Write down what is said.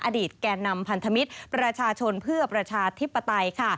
อดีตแก่นำพันธมิตรประชาชนเพื่อประชาธิปไตยค่ะ